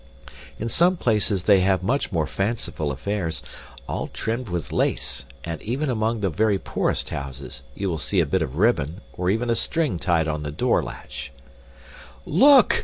In some places they have much more fanciful affairs, all trimmed with lace, and even among the very poorest houses you will see a bit of ribbon or even a string tied on the door latch " "Look!"